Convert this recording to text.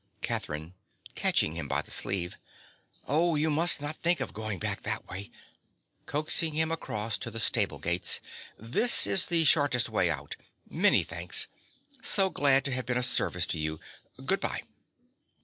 _) CATHERINE. (catching him by the sleeve). Oh, you must not think of going back that way. (Coaxing him across to the stable gates.) This is the shortest way out. Many thanks. So glad to have been of service to you. Good bye.